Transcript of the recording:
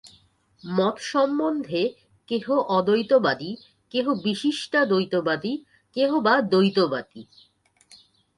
মত সম্বন্ধে কেহ অদ্বৈতবাদী, কেহ বিশিষ্টাদ্বৈতবাদী, কেহ বা দ্বৈতবাদী।